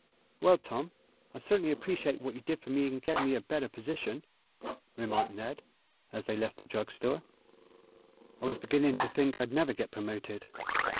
"Well, Tom, I certainly appreciate what you did for me in getting me a better position," remarked Ned as they left the drug store. "I was beginning to think I'd never get promoted.